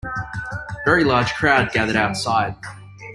Very large crowd gathered outside.